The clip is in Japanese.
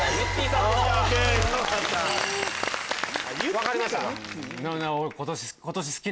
分かりましたか。